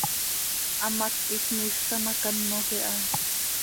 Hamác quij miizj taa ma, canoj iha.